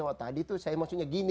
waktu tadi saya maksudnya begini